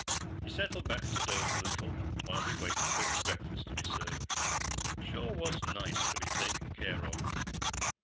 He settled back to doze a little while he waited for his breakfast to be served. Sure was nice to be taken care of.